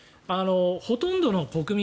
ほとんどの国民